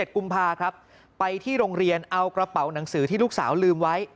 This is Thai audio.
กุมภาครับไปที่โรงเรียนเอากระเป๋าหนังสือที่ลูกสาวลืมไว้